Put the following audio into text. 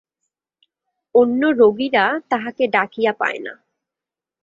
অন্য রোগীরা তাহাকে ডাকিয়া পায় না।